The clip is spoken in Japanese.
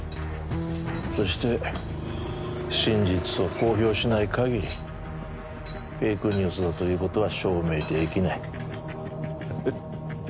そして真実を公表しない限りフェイクニュースだということは証明できないフフ